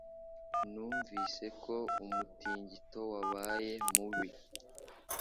Numvise ko umutingito wabaye mubi.